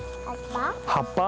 葉っぱ？